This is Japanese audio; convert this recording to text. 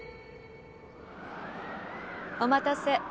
お待たせ。